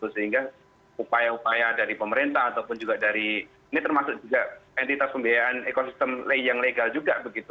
sehingga upaya upaya dari pemerintah ataupun juga dari ini termasuk juga entitas pembiayaan ekosistem yang legal juga begitu